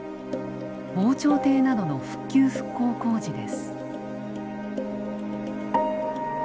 防潮堤などの復旧復興工事です。